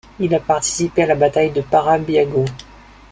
Il a participé à la bataille de Parabiago.